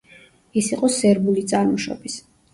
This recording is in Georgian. ის იყო სერბული წარმოშობის.